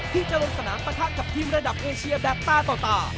ที่จะลงสนามปะทะกับทีมระดับเอเชียแบบตาต่อตา